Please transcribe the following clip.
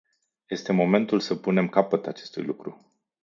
Este momentul să punem capăt acestui lucru.